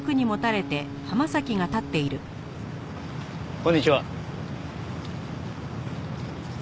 こんにちは。